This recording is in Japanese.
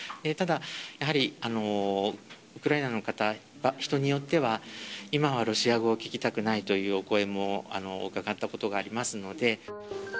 ただ、やはりウクライナの方、人によっては、今はロシア語を聞きたくないというお声もお伺ったこともあります